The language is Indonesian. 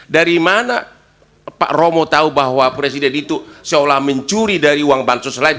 dari mana pak romo tahu bahwa presiden itu seolah mencuri dari uang bansos lain